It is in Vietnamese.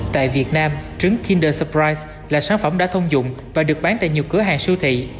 tại việt nam trứng kindersuprite là sản phẩm đã thông dụng và được bán tại nhiều cửa hàng siêu thị